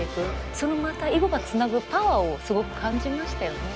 そのまた囲碁がつなぐパワーをすごく感じましたよね。